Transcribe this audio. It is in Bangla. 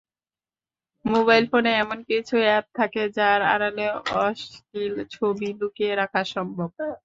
মোবাইল ফোনে এমন কিছু অ্যাপ থাকে যার আড়ালে অশ্লীল ছবি লুকিয়ে রাখা সম্ভব।